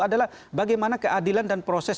adalah bagaimana keadilan dan proses